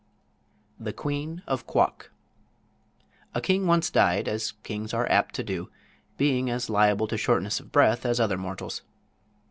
THE QUEEN OF QUOK A king once died, as kings are apt to do, being as liable to shortness of breath as other mortals.